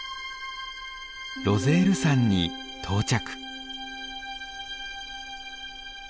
ロゼール山に到着。